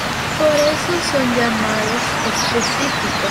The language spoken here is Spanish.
Por eso son llamados específicos.